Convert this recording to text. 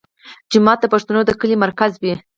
جومات د پښتنو د کلي مرکز وي.